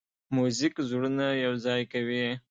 موزیک زړونه یوځای کوي.